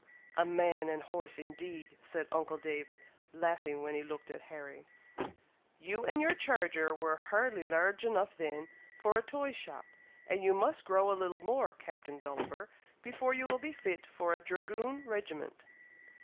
"A man and horse indeed!" said uncle David, laughing, when he looked at Harry. "You and your charger were hardly large enough then for a toy shop; and you must grow a little more, Captain Gulliver, before you will be fit for a dragoon regiment."